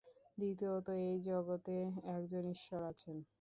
দ্বিতীয়ত এই জগতে একজন ঈশ্বর আছেন।